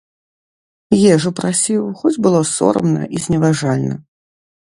Ежу прасіў, хоць было сорамна і зневажальна.